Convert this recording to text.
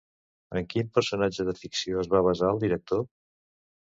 En quin personatge de ficció es va basar el director?